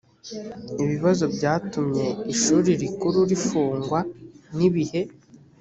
ibibazo byatumye ishuri rikuru rifungwa nibihe